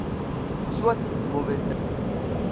Soit, mauvaise tête.